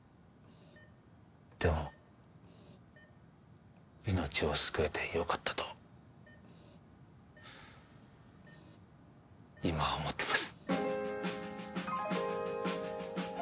でも命を救えて良かったと今は思ってます